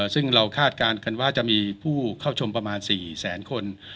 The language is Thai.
ซึ่งเราคาดการณ์กันว่าจะมีผู้เข้าชมประมาณ๔แสนคน